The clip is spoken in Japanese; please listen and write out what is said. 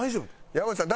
山内さん